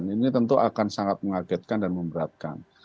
ini tentu akan sangat mengagetkan dan memberatkan